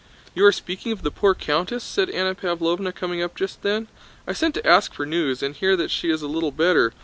"You are speaking of the poor countess?" said Anna Pávlovna, coming up just then. "I sent to ask for news, and hear that she is a little better.